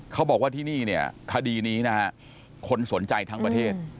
เขาบอกว่าที่นี่คดีนี้คนสนใจทั้งประเทศ